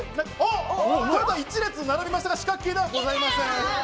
１列並びましたが四角形ではございません。